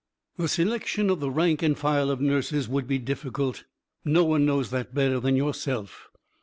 "The selection of the rank and file of nurses would be difficult no one knows that better than yourself.